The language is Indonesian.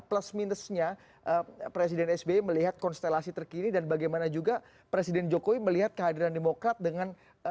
plus minusnya presiden sbi melihat konstelasi terkini dan bagaimana juga presiden jokowi melihat kehadiran demokrat dengan